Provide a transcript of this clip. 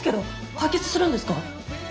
解決するんですか？